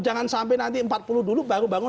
jangan sampai nanti empat puluh dulu baru bangun